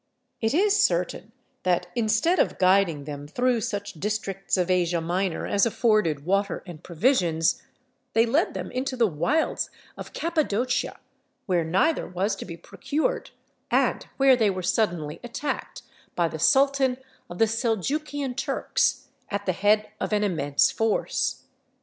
It is certain that, instead of guiding them through such districts of Asia Minor as afforded water and provisions, they led them into the wilds of Cappadocia, where neither was to be procured, and where they were suddenly attacked by the sultan of the Seljukian Turks, at the head of an immense force.